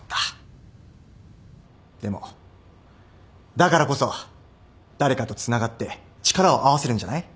でもだからこそ誰かとつながって力を合わせるんじゃない？